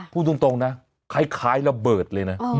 พูดตรงนะคล้ายระเบิดเลยนะ